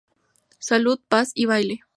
Salud, paz y baile.